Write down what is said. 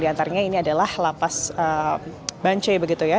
di antaranya ini adalah lapas bancai begitu ya